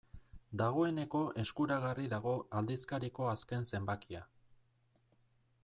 Dagoeneko eskuragarri dago aldizkariko azken zenbakia.